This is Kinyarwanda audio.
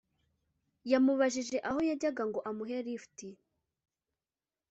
yamubajije aho yajyaga ngo amuhe lift